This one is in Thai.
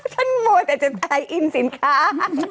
ฉันโม่แต่จะไทยอินสินค้า